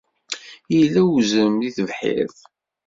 Yella uzrem deg tebḥirt.